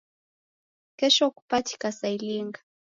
Kesho kupatika saa ilinga?